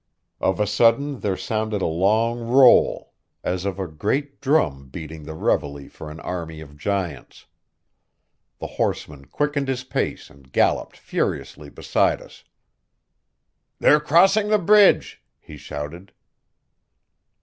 Of a sudden there sounded a long roll, as of a great drum beating the reveille for an army of giants. The horseman quickened his pace and galloped furiously beside us. "They're crossing the bridge," he shouted.